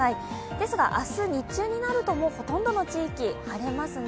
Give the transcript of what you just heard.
ですが明日、日中になるとほとんどの地域、晴れますね。